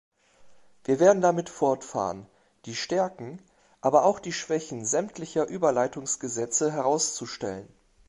Wir werden damit fortfahren, die Stärken, aber auch die Schwächen sämtlicher Überleitungsgesetze herauszustellen.